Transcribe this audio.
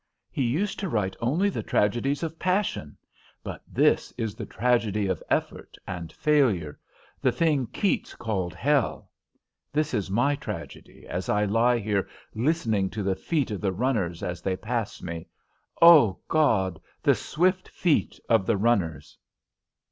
He used to write only the tragedies of passion; but this is the tragedy of effort and failure, the thing Keats called hell. This is my tragedy, as I lie here, listening to the feet of the runners as they pass me ah, God! the swift feet of the runners!"